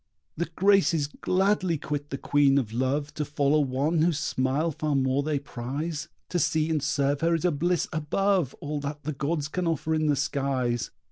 The Graces gladly quit the Queen of Love To follow one whose smile far more they prize. To see and serve her is a bliss above All that the gods can offer in the skies.